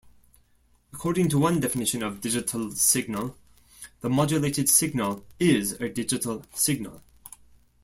According to one definition of digital signal, the modulated signal is a digital signal.